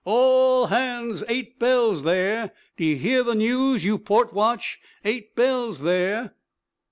'A a all hands! Eight bells there! D' ye hear the news, you port watch? Eight bells there!'